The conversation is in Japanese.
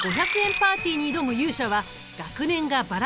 パーティーに挑む勇者は学年がバラバラなこの４人。